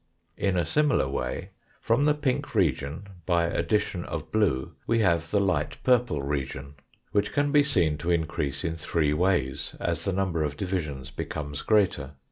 In a similar way from the pink region by addition of blue we have the light purple region, which can be seen to increase in three ways as the number of divisions becomes greater.